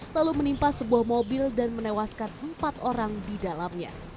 lalu menimpa sebuah mobil dan menewaskan empat orang di dalamnya